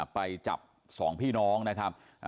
ไปจับ๒พี่น้องนะครับ